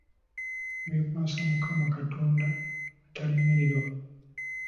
Wekwase Mukama Katonda atalemererwa